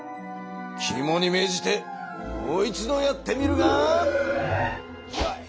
きもにめいじてもう一度やってみるがよい！